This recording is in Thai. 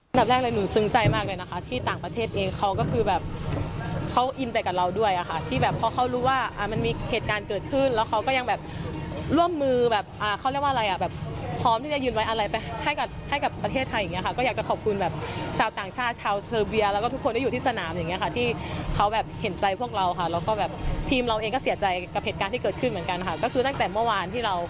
ตอนแรกเลยหนูสึงใจมากเลยนะคะที่ต่างประเทศเองเขาก็คือแบบเขาอินไปกับเราด้วยค่ะที่แบบเพราะเขารู้ว่ามันมีเหตุการณ์เกิดขึ้นแล้วเขาก็ยังแบบร่วมมือแบบเขาเรียกว่าอะไรอ่ะแบบพร้อมที่จะยืนไว้อะไรไปให้กับประเทศไทยอย่างงี้ค่ะก็อยากจะขอบคุณแบบชาวต่างชาติชาวเซอร์เบียแล้วก็ทุกคนได้อยู่ที่สนามอย่างงี้